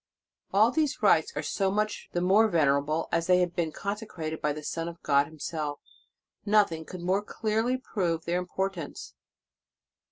* All these rites are so much the more ven erable, as they have been consecrated by the Son of God Himself. Nothing could more clearly prove their importance.